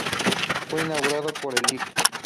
Fue inaugurado por el lic.